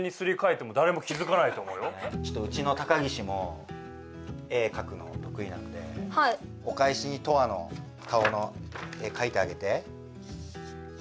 ちょっとうちの高岸も絵かくのとくいなのでおかえしにトアの顔の絵かいてあげて。